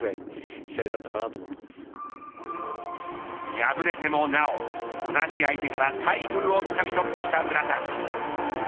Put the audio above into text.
敗れてもなお同じ相手からタイトルをつかみとってきた村田。